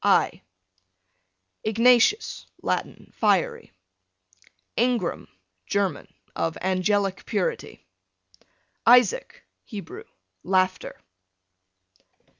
I Ignatius, Latin, fiery. Ingram, German, of angelic purity. Isaac, Hebrew, laughter.